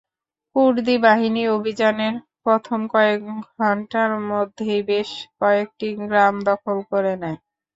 কুর্দি বাহিনী অভিযানের প্রথম কয়েক ঘণ্টার মধ্যেই বেশ কয়েকটি গ্রাম দখল করে নেয়।